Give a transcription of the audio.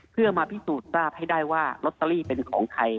เพื่อมาพิสูจน์ทราบให้ได้ว่าลอตเตอรี่เป็นของใคร